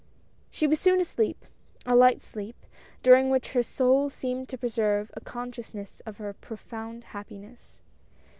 She was soon asleep — a light sleep — during which her soul seemed to preserve a consciousness of her profound happiness.